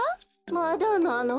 まだなの。